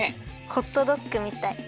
ホットドッグみたい。